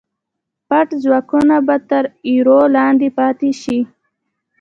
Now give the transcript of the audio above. پټ ځواکونه به تر ایرو لاندې پاتې شي.